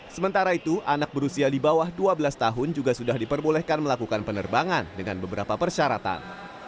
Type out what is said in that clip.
sementara itu anak berusia di bawah dua belas tahun juga sudah diperbolehkan melakukan penerbangan dengan beberapa persyaratan